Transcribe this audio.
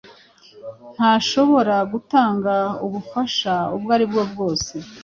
Ntashobora gutanga ubufasha ubwo aribwo bwose